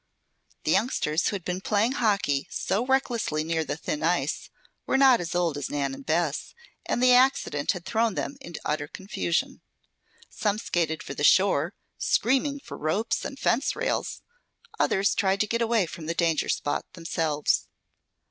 The youngsters who had been playing hockey so recklessly near the thin ice, were not as old as Nan and Bess, and the accident had thrown them into utter confusion. Some skated for the shore, screaming for ropes and fence rails; others only tried to get away from the danger spot themselves.